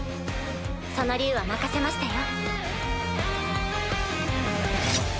その竜は任せましたよ。